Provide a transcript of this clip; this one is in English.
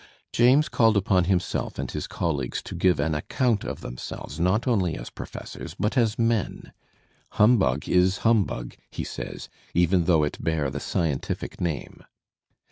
James called upon himself and his colleagues to give an account of themselves not only as professors, but as men. ''Humbug is humbug/* he says> ''even though it bear the scientific name.'